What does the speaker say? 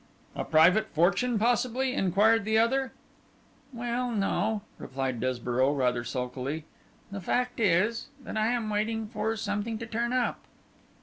'A private fortune possibly?' inquired the other. 'Well, no,' replied Desborough, rather sulkily. 'The fact is that I am waiting for something to turn up.